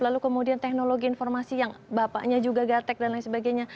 lalu kemudian teknologi informasi yang bapaknya juga gatek dan lain sebagainya